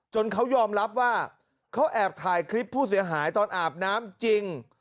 เขายอมรับว่าเขาแอบถ่ายคลิปผู้เสียหายตอนอาบน้ำจริง